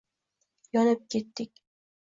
Yonib kettigiy.